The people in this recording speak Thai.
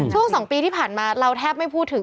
ช่วง๒ปีที่ผ่านมาเราแทบไม่พูดถึง